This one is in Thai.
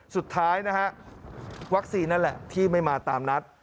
สุดท้ายนะฮะวัคซีนนั่นแหละที่ไม่มาตามนัด